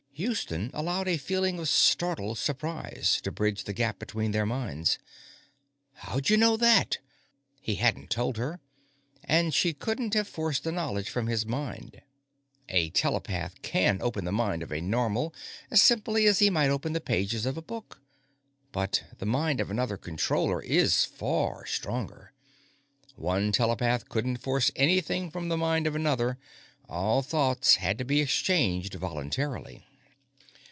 _ Houston allowed a feeling of startled surprise to bridge the gap between their minds. How'd you know that? He hadn't told her, and she couldn't have forced the knowledge from his mind. A telepath can open the mind of a Normal as simply as he might open the pages of a book, but the mind of another Controller is far stronger. One telepath couldn't force anything from the mind of another; all thoughts had to be exchanged voluntarily.